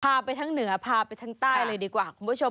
ไปทั้งเหนือพาไปทั้งใต้เลยดีกว่าคุณผู้ชม